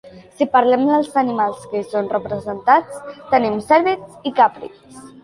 Si parlem dels animals que hi són representats, tenim cèrvids i caprins.